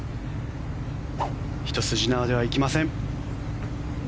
一筋縄ではいきません。